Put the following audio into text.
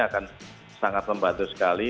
akan sangat lembat sekali